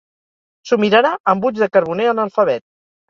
S'ho mirarà amb ulls de carboner analfabet.